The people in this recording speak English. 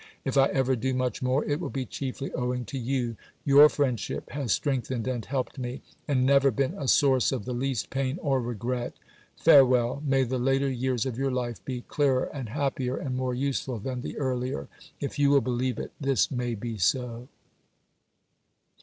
If I ever do much more, it will be chiefly owing to you: your friendship has strengthened and helped me, and never been a source of the least pain or regret. Farewell. May the later years of your life be clearer and happier and more useful than the earlier! If you will believe it, this may be so.